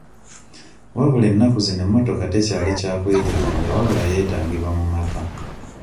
Wabula ennaku zino emmotoka tekyali kya kwejalabya wabula yeetaagibwa mu maka.